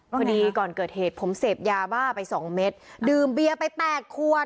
พอดีก่อนเกิดเหตุผมเสพยาบ้าไปสองเม็ดดื่มเบียร์ไปแปดขวด